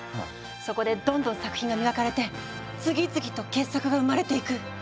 そこでどんどん作品が磨かれて次々と傑作が生まれていく。